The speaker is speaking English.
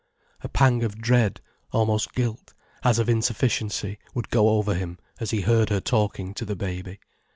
A pang of dread, almost guilt, as of insufficiency, would go over him as he heard her talking to the baby.